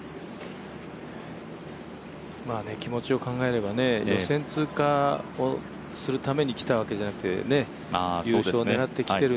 気持ちを考えれば予選通過をするために来たんじゃなくて優勝を狙ってきてる。